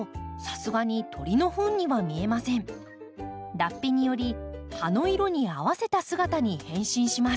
脱皮により葉の色に合わせた姿に変身します。